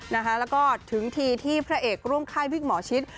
แล้วก็ถึงทีที่พระเอกร่วมค่ายวิกหมอชิต